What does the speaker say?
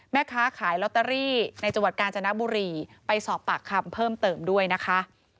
แม่ค้าขายลอตเตอรี่ในจังหวัดกาญจนบุรีไปสอบปากคำเพิ่มเติมด้วยนะคะ